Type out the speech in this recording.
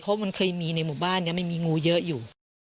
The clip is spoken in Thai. เพราะมันเคยมีในหมู่บ้านนี้มันมีงูเยอะอยู่